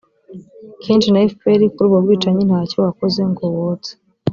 kenshi na fpr kuri ubwo bwicanyi nta cyo wakoze ngo wotse